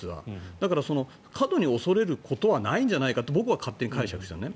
だから、過度に恐れることはないんじゃないかって僕は勝手に解釈してるのね。